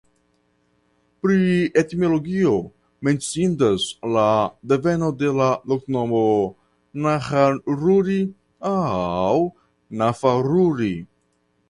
Pri etimologio menciindas la deveno de la loknomo "Naharruri" aŭ "Nafarruri".